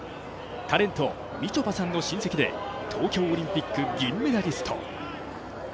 タレント、みちょぱさんの親戚で東京オリンピック銀メダリスト。